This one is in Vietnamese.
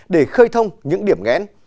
để khơi thông những điểm ngãn